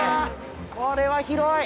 これは広い。